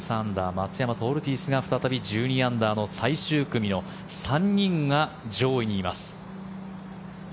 松山とオルティーズが再び１２アンダーの最終組に３人が上位にいます。